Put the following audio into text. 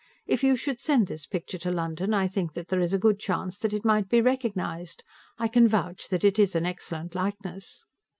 If you should send this picture to London, I think that there is a good chance that it might be recognized. I can vouch that it is an excellent likeness.